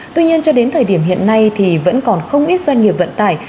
tuy nhiên cho đến thời điểm hiện nay thì vẫn còn không ít doanh nghiệp vận tải